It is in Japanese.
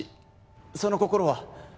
その心は？